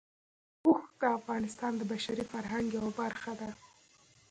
اوښ د افغانستان د بشري فرهنګ یوه برخه ده.